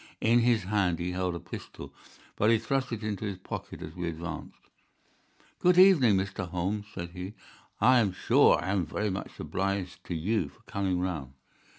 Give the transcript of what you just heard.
In his hand he held a pistol, but he thrust it into his pocket as we advanced. "Good evening, Mr. Holmes," said he. "I am sure I am very much obliged to you for coming round.